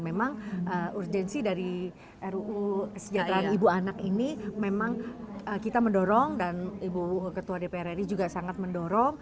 memang urgensi dari ruu kesejahteraan ibu anak ini memang kita mendorong dan ibu ketua dpr ri juga sangat mendorong